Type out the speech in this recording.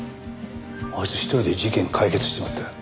あいつ一人で事件解決しちまったよ。